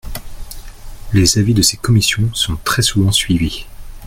Les avis de ces commissions sont très souvent suivis.